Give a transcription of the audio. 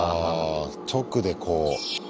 直でこう。